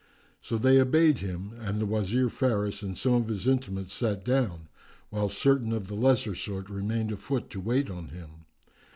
So they obeyed him and the Wazir Faris and some of his intimates sat down, whilst certain of the lesser sort remained afoot to wait on him.